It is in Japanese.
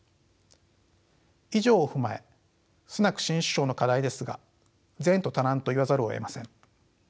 以上を踏まえスナク新首相の課題ですが前途多難と言わざるをえません。